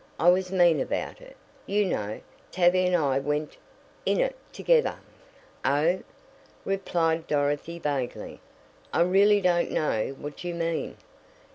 I was mean about it. You know, Tavia and I went in it together." "Oh," replied Dorothy vaguely, "I really don't know what you mean."